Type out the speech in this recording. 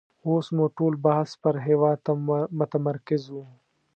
اوس مو ټول بحث پر هېواد متمرکز وو.